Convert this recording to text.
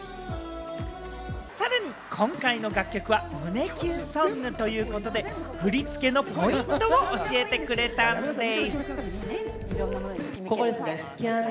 さらに今回の楽曲は胸キュンソングということで振り付けのポイントも教えてくれたんでぃす。